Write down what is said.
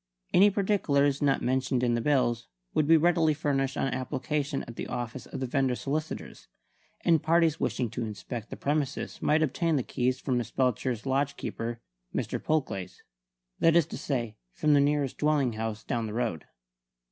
Any particulars not mentioned in the bills would be readily furnished on application at the office of the vendor's solicitors; and parties wishing to inspect the premises might obtain the keys from Miss Belcher's lodge keeper, Mr. Polglaze that is to say, from the nearest dwelling house down the road.